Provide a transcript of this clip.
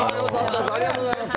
ありがとうございます！